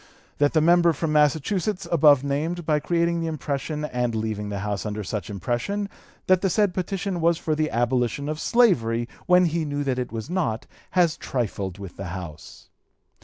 That the member from Massachusetts above named, by creating the impression and leaving the House under such impression, that the said petition was for the abolition of slavery, when he knew that it was not, has trifled with the House.